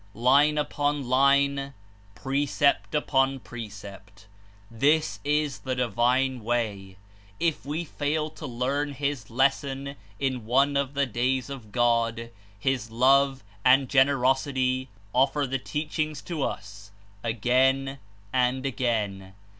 "Line upon line, precept upon precept!" This is the divine way. If we fail to learn his lesson in one of the Days of God, his love and generosity offer the teachings to us again and again.